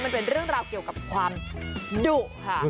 มันเป็นเรื่องราวเกี่ยวกับความดุค่ะ